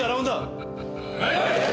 はい！